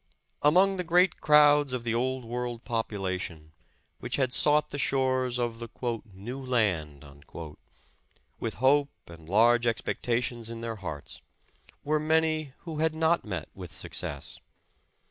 Among the great crowds of the old world population, which had sought the shores of the "New Land," with hope and large expectations in their hearts, were many who had not met with success.